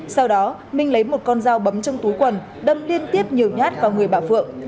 sau đó minh lấy một con dao bấm trong túi quần đâm liên tiếp nhiều nhát vào người bà phượng